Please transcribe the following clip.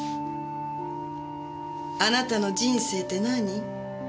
あなたの人生って何？